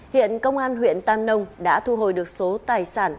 hiện công an huyện tam nông đã thu hồi được số tài sản